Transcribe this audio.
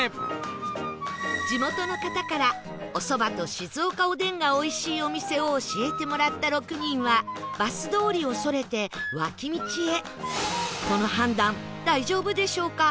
地元の方からお蕎麦と静岡おでんがおいしいお店を教えてもらった６人はバス通りをそれて脇道へ